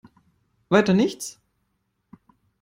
Weiter nichts?